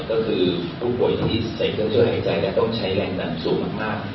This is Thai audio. ก็คือผู้ป่วยที่ใส่เครื่องช่วยหายใจและต้องใช้แรงดันสูงมาก